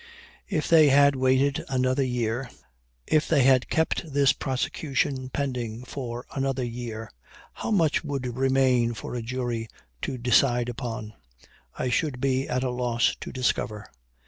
If they had waited another year if they had kept this prosecution pending for another year, how much would remain for a jury to decide upon, I should be at a loss to discover.